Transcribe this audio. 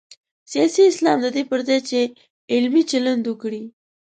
سیاسي اسلام د دې پر ځای چې علمي چلند وکړي.